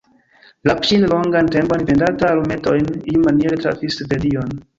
Lapŝin, longan tempon vendanta alumetojn, iumaniere trafis Svedion.